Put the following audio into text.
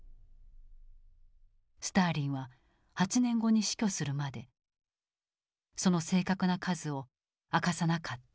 スターリンは８年後に死去するまでその正確な数を明かさなかった。